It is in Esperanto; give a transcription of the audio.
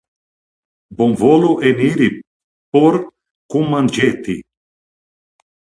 Bonvolu eniri por kunmanĝeti!